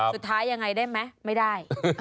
สุดท้ายยังไงได้ไหมไม่ได้